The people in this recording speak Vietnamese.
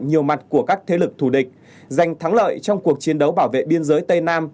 nhiều mặt của các thế lực thù địch giành thắng lợi trong cuộc chiến đấu bảo vệ biên giới tây nam